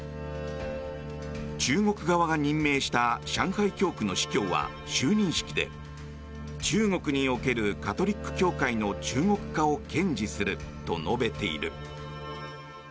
中国側が任命した上海教区の司教は、就任式で中国におけるカトリック教会の中国化を堅持すると述べている。